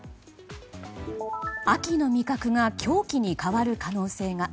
秋の味覚が凶器に変わる可能性が。